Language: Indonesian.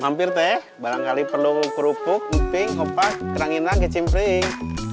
mampir teh barangkali perlu kerupuk mping hopat keranginan kecimpring